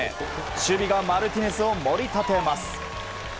守備がマルティネスを盛り立てます。